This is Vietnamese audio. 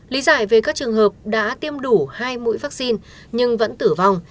lý giải về các trường hợp đã tiêm đủ hai mũi vaccine nhưng vẫn tử vong